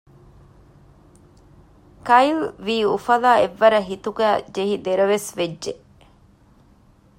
ކައިލް ވީ އުފަލާ އެއްވަރަށް ހިތުގައިޖެހި ދެރަވެސް ވެއްޖެ